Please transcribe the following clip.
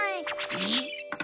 えっ？